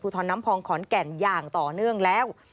ทรน้ำพองขอนแก่นอย่างต่อเนื่องแล้ว